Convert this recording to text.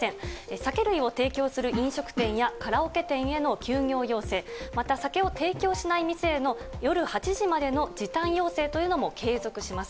酒類を提供する飲食店やカラオケ店への休業要請、また酒を提供しない店への夜８時までの時短要請というのも継続します。